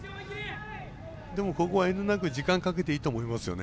でも、ここは遠慮なく時間かけていいと思いますよね